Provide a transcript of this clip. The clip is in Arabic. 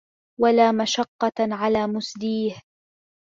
وَلَا مَشَقَّةَ عَلَى مُسْدِيهِ